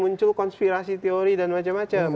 muncul konspirasi teori dan macam macam